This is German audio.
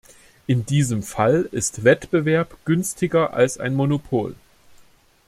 In diesem Fall ist Wettbewerb günstiger als ein Monopol.